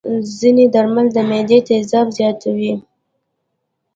ځینې درمل د معدې تیزاب زیاتوي.